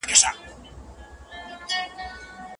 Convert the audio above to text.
لارښود استاد له خپلو شاګردانو سره دوستانه چلند کاوه.